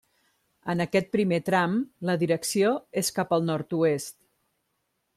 En aquest primer tram, la direcció és cap al nord-oest.